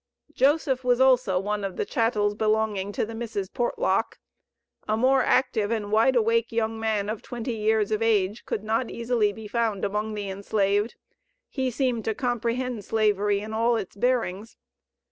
Joseph was also one of the chattels belonging to the Misses Portlock. A more active and wide awake young man of twenty years of age, could not easily be found among the enslaved; he seemed to comprehend Slavery in all its bearings.